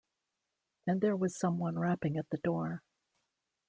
And there was someone rapping at the door.